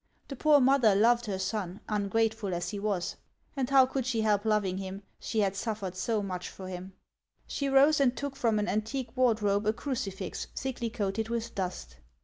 The poor mother loved her son, ungrateful as lie was. And how could she help loving him, she had suffered so much for him ? She rose and took from an antique wardrobe a crucifix thickly coated with dust.